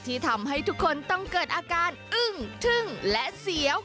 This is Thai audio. ที่ทำให้ทุกคนต้องเกิดอาการอึ้งทึ่งและเสียว